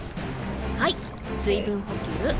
はい水分補給。